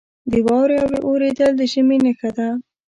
• د واورې اورېدل د ژمي نښه ده.